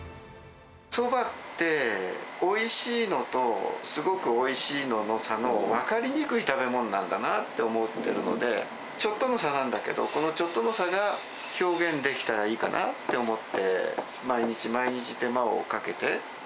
そばって、おいしいのとすごくおいしいのの差の分かりにくい食べ物なんだなって思ってるので、ちょっとの差なんだけど、このちょっとの差が表現できたらいいかなって思って、毎日毎日、手間をかけて。